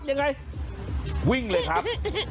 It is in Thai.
ยังไงวิ่งเลยครับ